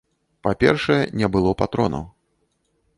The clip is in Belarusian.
Па-першае, не было патронаў.